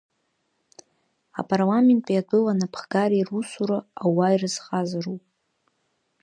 Апарламенти атәыла анаԥхгареи русура ауаа ирызхазароуп.